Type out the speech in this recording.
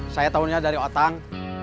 saya taunya dari otang